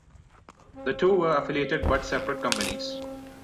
The two were affiliated but separate companies.